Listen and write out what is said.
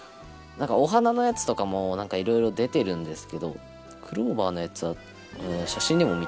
お花のやつとかも、なんかいろいろ出てるんですけどクローバーのやつは、写真でも見た事なかったですかね。